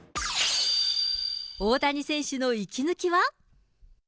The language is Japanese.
大谷選手の息抜きは？